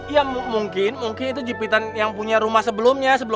ya mungkin mungkin itu jepitan yang punya rumah sebelumnya